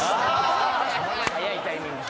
早いタイミング。